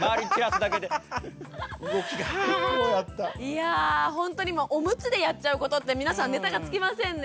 いやぁほんとにおむつでやっちゃうことって皆さんネタが尽きませんね。